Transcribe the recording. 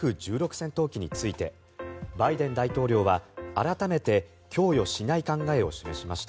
戦闘機についてバイデン大統領は改めて供与しない考えを示しました。